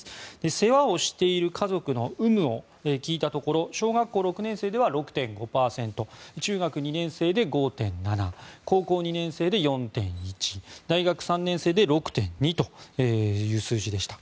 世話をしている家族の有無を聞いたところ小学校６年生では６．５％中学２年生で５．７％高校２年生で４．１％大学３年生で６．２％という数字でした。